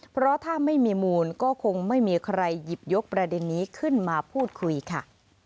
เพราะถ้าไม่มีมูลก็คงไม่มีใครหยิบยกประเด็นนี้ขึ้นมาพูดคุยค่ะ